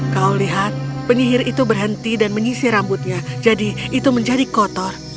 kau lihat penyihir itu berhenti dan menyisir rambutnya jadi itu menjadi kotor